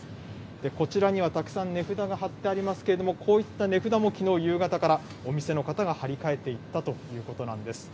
こちらにはたくさん値札が貼ってありますけれども、こういった値札も、きのう夕方からお店の方が貼り替えていったということなんです。